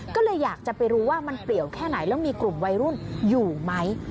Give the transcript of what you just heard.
ก็เลยอยากจะไปรู้ว่ามันเปลี่ยวแค่ไหนแล้วมีกลุ่มวัยรุ่นอยู่ไหม